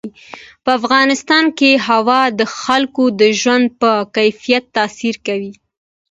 په افغانستان کې هوا د خلکو د ژوند په کیفیت تاثیر کوي.